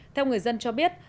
theo người dân cho biết